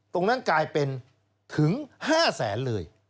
ตรงนั้นกลายเป็นถึง๕แสนเลย